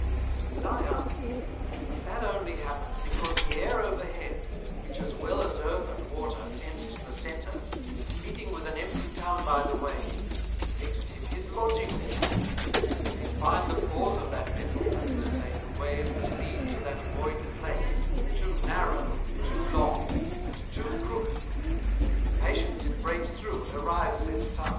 But I answer, That that only happens, because the Air overhead, which as well as Earth and Water tends to the Center, meeting with an empty Tun by the way, takes tip his Lodging there: If it find the pores of that Vessel, that's to say, the ways that lead to that void place, too narrow, too long, and too crooked, with impatience it breaks through and arrives at its Tun.